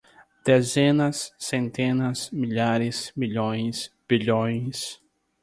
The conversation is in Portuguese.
dezenas, centenas, milhares, milhões, bilhões.